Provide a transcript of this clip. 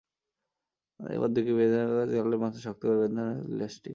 ওপরের দুদিকে বেঁকে থাকা ডালের মাথায় শক্ত করে বেঁধে নেওয়া হতো ইলাস্টিক।